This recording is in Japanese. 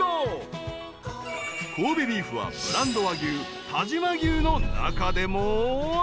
［神戸ビーフはブランド和牛但馬牛の中でも］